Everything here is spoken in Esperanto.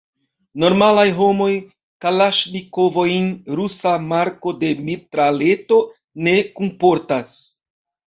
Normalaj homoj kalaŝnikovojn – rusa marko de mitraleto – ne kunportas.